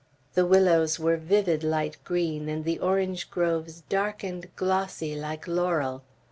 The willows were vivid light green, and the orange groves dark and glossy like laurel.